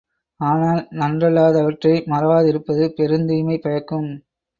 ஆனால் நன்றல்லாதவற்றை மறவாதிருப்பது பெருந்தீமை பயக்கும்.